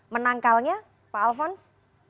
menangkalnya pak alfons